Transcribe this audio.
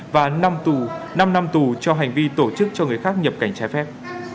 và năm năm tù cho hành vi tổ chức cho người khác nhập cảnh trái phép